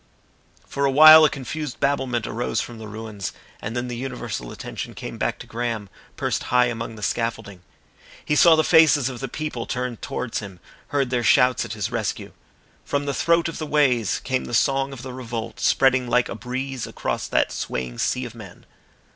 For a while a confused babblement arose from the ruins, and then the universal attention came back to Graham, perched high among the scaffolding. He saw the faces of the people turned towards him, heard their shouts at his rescue. From the throat of the ways came the song of the revolt spreading like a breeze across that swaying sea of men.